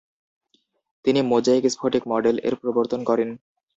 তিনি মোজাইক স্ফটিক মডেল এর প্রবর্তন করেন।